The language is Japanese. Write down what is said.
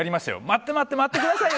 待って、待って、待ってください